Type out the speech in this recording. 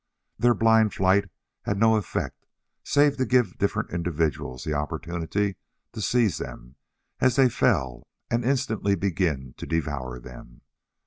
Their blind flight had no effect save to give different individuals the opportunity to seize them as they fell and instantly begin to devour them.